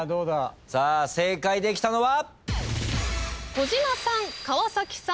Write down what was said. さあ正解できたのは。